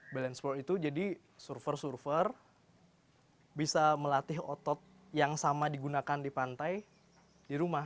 balance force itu jadi surfer surfer bisa melatih otot yang sama digunakan di pantai di rumah